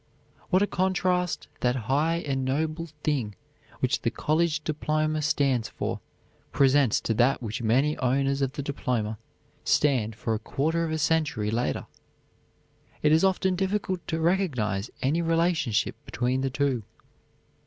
What a contrast that high and noble thing which the college diploma stands for presents to that which many owners of the diploma stand for a quarter of a century later! It is often difficult to recognize any relationship between the two.